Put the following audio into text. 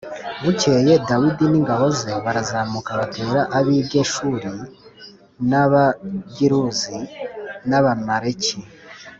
bukeye dawidi n’ingabo ze barazamuka batera ab’i geshuri n’abagiruzi n’abamaleki